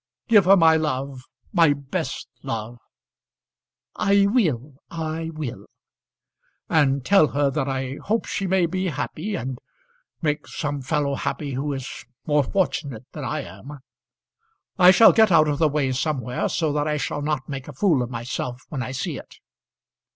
Give her my love my best love " "I will I will." "And tell her that I hope she may be happy, and make some fellow happy who is more fortunate than I am. I shall get out of the way somewhere, so that I shall not make a fool of myself when I see it."